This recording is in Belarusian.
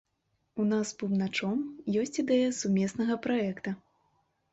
У нас з бубначом ёсць ідэя сумеснага праекта.